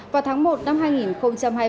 vào tháng một năm hai nghìn hai mươi ba